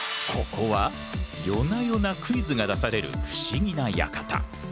ここは夜な夜なクイズが出される不思議な館。